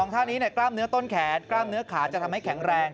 ท่านี้กล้ามเนื้อต้นแขนกล้ามเนื้อขาจะทำให้แข็งแรง